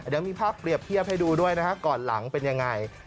เดี๋ยวมีภาพเปรียบเทียบให้ดูด้วยนะฮะก่อนหลังเป็นยังไง